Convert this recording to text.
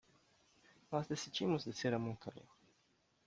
Nós decidimos descer a montanha